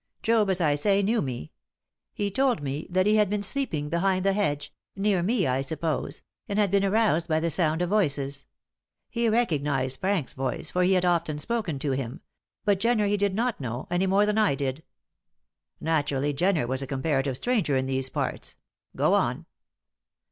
Job, as I say, knew me. He told me that he had been sleeping behind the hedge near me, I suppose and had been aroused by the sound of voices. He recognised Frank's voice, for he had often spoken to him; but Jenner he did not know, any more than I did." "Naturally. Jenner was a comparative stranger in these parts. Go on."